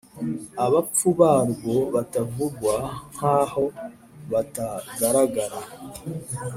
abapfu barwo batavugwa, nkaho bitagaragara!